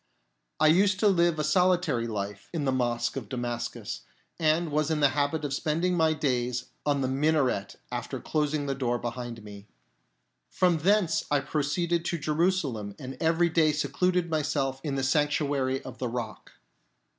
I used to live a solitaryjlife in the Mosque of Damascus, and was in the habit of spending my days on the minaret after closing the door behind me. From thence I proceeded to Jerusalem, and every day secluded myself in the Sanctuary of the Rock.